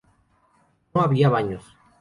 No había baños.